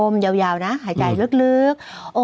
ยาวนะหายใจลึก